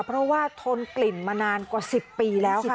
เพราะว่าทนกลิ่นมานานกว่า๑๐ปีแล้วค่ะ